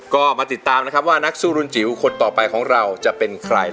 ก็มาติดตามนะครับว่านักสู้รุนจิ๋วคนต่อไปของเราจะเป็นใคร